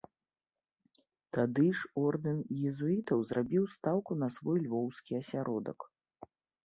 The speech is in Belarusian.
Тады ж ордэн езуітаў зрабіў стаўку на свой львоўскі асяродак.